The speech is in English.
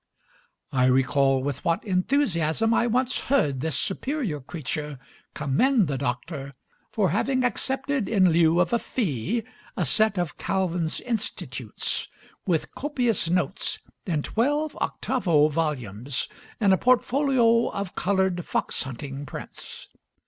I recall with what enthusiasm I once heard this superior creature commend the doctor for having accepted in lieu of a fee a set of Calvin's "Institutes," with copious notes, in twelve octavo volumes, and a portfolio of colored fox hunting prints.